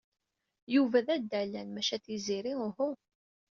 Yuba d addalan, maca Tiziri uhu.